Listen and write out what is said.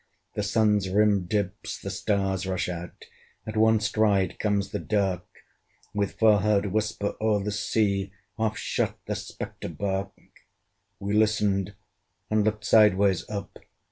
The Sun's rim dips; the stars rush out: At one stride comes the dark; With far heard whisper, o'er the sea. Off shot the spectre bark. We listened and looked sideways up!